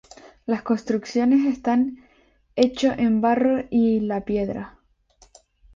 Las construcciones están hecho en barro y la piedra.